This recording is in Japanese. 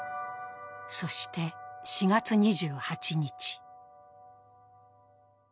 そして４月２８日。